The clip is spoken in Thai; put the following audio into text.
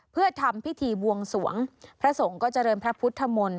เพื่อทำพิธีบวงสวงพระสงฆ์ก็เจริญพระพุทธมนต์